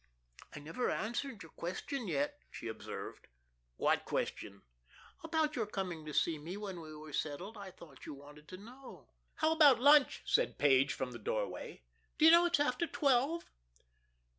"I never answered your question yet," she observed. "What question?" "About your coming to see me when we were settled. I thought you wanted to know." "How about lunch?" said Page, from the doorway. "Do you know it's after twelve?"